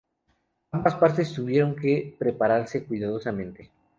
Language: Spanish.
Ambas partes tuvieron que prepararse cuidadosamente.